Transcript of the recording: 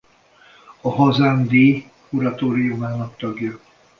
A Hazám-díj kuratóriumának tagja.